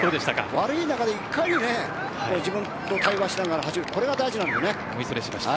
悪い中で、いかに自分と対話をしながら走るかが大事です。